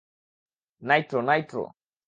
Nitro, Nitro.